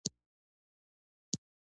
پنېر د انسانانو پخوانی خواړه دی.